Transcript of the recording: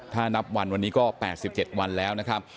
ถ้านับวันวันนี้ก็แปดสิบเจ็ดวันแล้วนะครับ